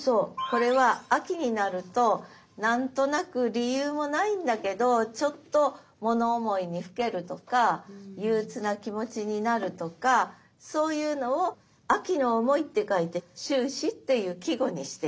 これは秋になると何となく理由もないんだけどちょっと物思いにふけるとか憂鬱な気持ちになるとかそういうのを「秋の思い」って書いて「秋思」っていう季語にしているわけです。